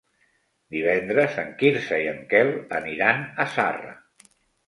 Divendres en Quirze i en Quel aniran a Zarra.